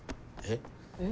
えっ？